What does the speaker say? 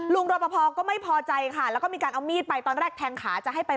รอปภก็ไม่พอใจค่ะแล้วก็มีการเอามีดไปตอนแรกแทงขาจะให้ไป